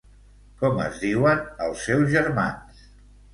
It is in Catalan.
Com es diuen els seus germans?